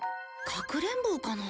かくれんぼうかな。